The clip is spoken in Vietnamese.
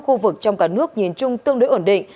khu vực trong cả nước nhìn chung tương đối ổn định